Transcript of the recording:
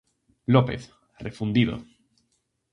López, refundido.